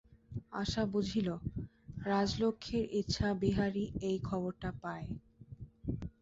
আশা বুঝিল, রাজলক্ষ্মীর ইচ্ছা বিহারী এই খবরটা পায়।